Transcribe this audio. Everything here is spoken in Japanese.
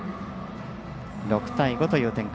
６対５という展開。